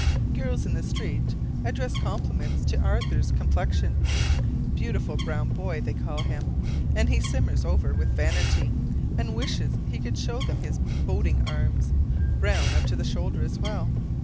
Girls in the street address compliments to Arthur's complexion: "beautiful brown boy" they call him: and he simmers over with vanity, and wishes he could show them his boating arms, brown up to the shoulder, as well.